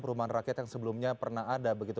perumahan rakyat yang sebelumnya pernah ada begitu